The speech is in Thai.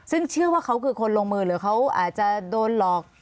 ซึ่งเชื่อว่าเขาคือคนลงมือหรือเขาอาจจะโดนหลอก